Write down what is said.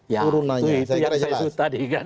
ya itu yang saya sebut tadi kan